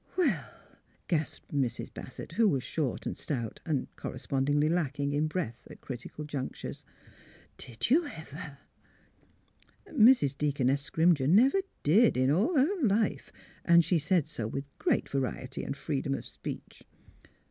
*' Well! " gasped Mrs. Bassett, who was short THE PARISH HEARS THE NEWS 307 and stout and correspondingly lacking in breath at critical junctures. " Did you ever! " Mrs. Deaconess Scrimger never did, in all lier life ; and she said so with great variety and free dom of speech.